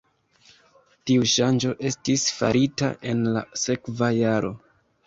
Tiu ŝanĝo estis farita en la sekva jaro.